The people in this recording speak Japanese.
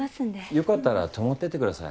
良かったら泊まってってください。